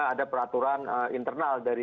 ada peraturan internal dari